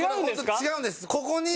違うんですか？